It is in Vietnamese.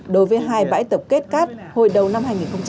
đối với hai bãi tập kết cát hồi đầu năm hai nghìn hai mươi hai